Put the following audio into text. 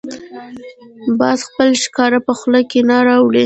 باز خپل ښکار په خوله نه راوړي